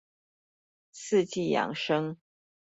四季養生